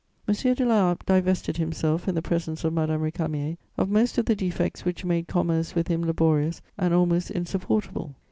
"M. de La Harpe divested himself, in the presence of Madame Récamier, of most of the defects which made commerce with him laborious and almost insupportable.